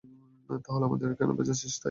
তাহলে আমাদের কেন ভেজাচ্ছিস ভাই?